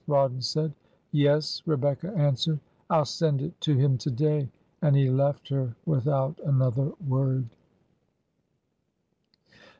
Rawdon said. 'Yes/ Rebecca answered. ' I'll send it to him to day, '... and he left her without another word."